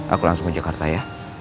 aku langsung ke jakarta ya